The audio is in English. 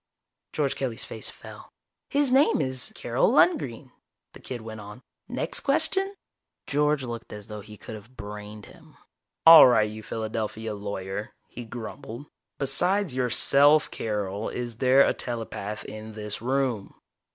George Kelly's face fell. "His name is Carol Lundgren," the kid went on. "Next question?" George looked as though he could have brained him. "All right, you Philadelphia lawyer," he grumbled. "Besides yourself, Carol, is there a telepath in this room?"